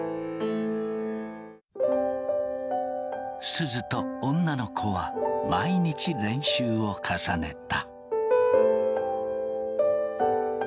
すずと女の子は毎日練習を重ねた。